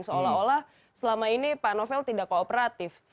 seolah olah selama ini panovel tidak kooperatif